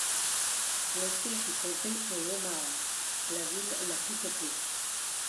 Le siège du comté est Omaha, la ville la plus peuplée.